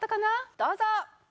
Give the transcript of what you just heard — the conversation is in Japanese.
どうぞ。